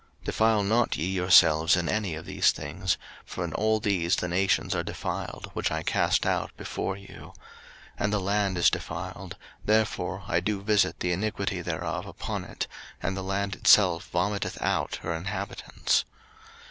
03:018:024 Defile not ye yourselves in any of these things: for in all these the nations are defiled which I cast out before you: 03:018:025 And the land is defiled: therefore I do visit the iniquity thereof upon it, and the land itself vomiteth out her inhabitants.